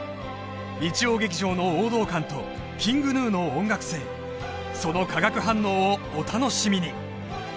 日曜劇場の王道感とＫｉｎｇＧｎｕの音楽性その化学反応をお楽しみに！